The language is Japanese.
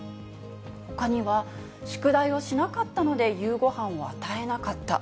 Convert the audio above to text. ほかには宿題をしなかったので夕ごはんを与えなかった。